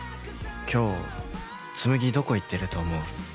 今日、紬どこ行ってると思う？